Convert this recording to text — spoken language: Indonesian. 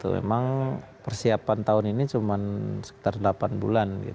memang persiapan tahun ini cuma sekitar delapan bulan